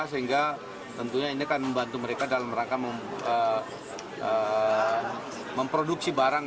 sehingga tentunya ini akan membantu mereka dalam rangka memproduksi barang